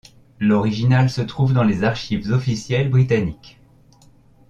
L'original se trouve dans les archives officielles britanniques.